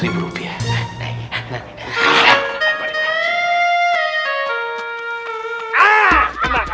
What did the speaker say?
dua ratus ribu rupiah